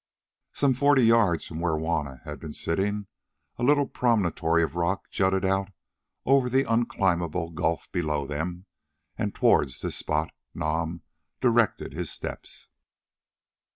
Some forty yards from where Juanna had been sitting, a little promontory of rock jutted out over the unclimbable gulf below them and towards this spot Nam directed his steps.